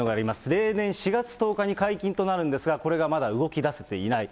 例年４月１０日に解禁となるんですが、これがまだ動きだせていない。